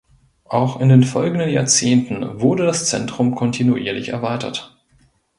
Auch in den folgenden Jahrzehnten wurde das Zentrum kontinuierlich erweitert.